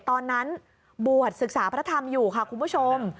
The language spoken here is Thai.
ตอนนั้นบวชศึกษาพระธรรมอยู่ค่ะคุณผู้ชม